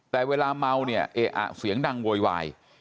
แต่เวลาเมาเนี่ยเขียงดังโวยวาย